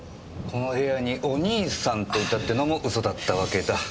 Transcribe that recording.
この部屋にお兄さんといたっていうのも嘘だったわけだ。